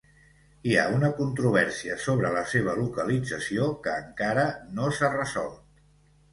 Hi ha una controvèrsia sobre la seva localització que encara no s'ha resolt.